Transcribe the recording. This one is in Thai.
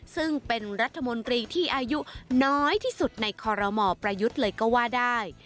ซึ่งเป็นรัฐมนตรีที่อายุน้อยที่สุดในคอรมอประยุทธ์เลยก็ว่าได้